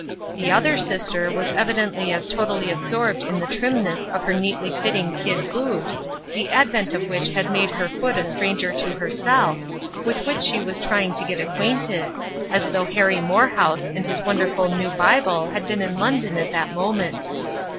The other sister was evidently as totally absorbed in the trimness of her neatly fitting kid boot, the advent of which had made her foot a stranger to herself, with which she was trying to get acquainted, as though Harry Morehouse and his wonderful new Bible had been in London at that moment!